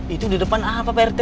itu di depan apa pak rt